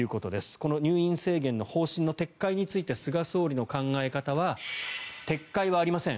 この入院制限の方針の撤回について菅総理の考え方は撤回はありません